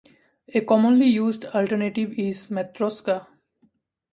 A commonly used alternative is Matroska.